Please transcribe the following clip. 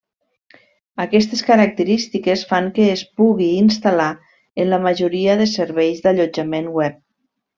Aquestes característiques fan que es pugui instal·lar en la majoria de serveis d'allotjament web.